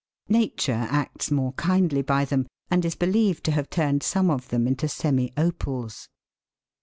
Nature acts more kindly by them, and is believed to have turned some of them into semi opals.